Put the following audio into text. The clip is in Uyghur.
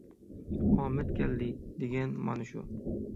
ئامەت كەلدى دېگەن مانا شۇ!